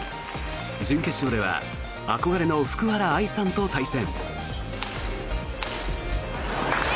準決勝では憧れの福原愛さんと対戦。